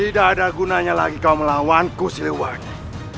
tidak ada gunanya lagi kau melawanku siliwangi